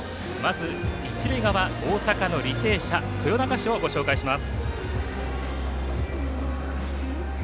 まず一塁側の大阪の履正社豊中市をご紹介します。